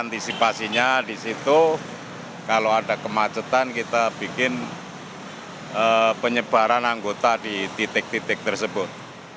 antisipasinya di situ kalau ada kemacetan kita bikin penyebaran anggota di titik titik tersebut